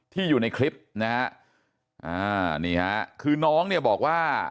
อยู่ในคลิปนะฮะอ่านี่ฮะคือน้องเนี่ยบอกว่า